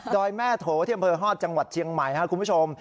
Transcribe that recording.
ดอยแม่โถเที่ยวเผลอฮอตจังหวัดเจียงใหม่คุณผู้ชม